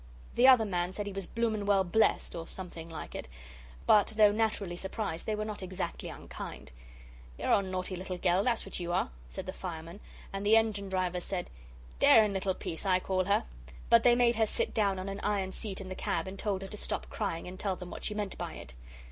The other man said he was blooming well blest or something like it but though naturally surprised they were not exactly unkind. "You're a naughty little gell, that's what you are," said the fireman, and the engine driver said: "Daring little piece, I call her," but they made her sit down on an iron seat in the cab and told her to stop crying and tell them what she meant by it.